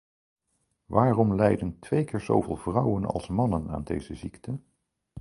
Waarom lijden twee keer zo veel vrouwen als mannen aan deze ziekte?